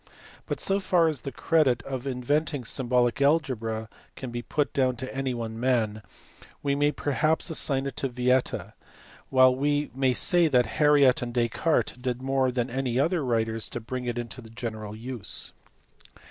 But so far as the credit of in venting symbolic algebra can be put down to any one man we may perhaps assign it to Vieta, while we may say that Harriot and Descartes did more than any other writers to bring it into general use.